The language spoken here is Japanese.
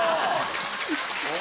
お！